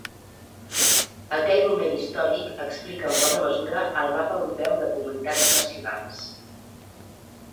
Aquell moment històric explica en bona mesura el mapa europeu de comunitats nacionals.